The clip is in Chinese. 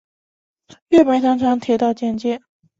月眉糖厂铁道简介